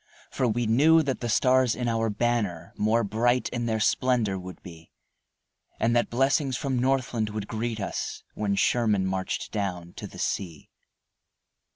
For we knew that the stars in our banner More bright in their splendor would be, And that blessings from Northland would greet us When Sherman marched down to the sea.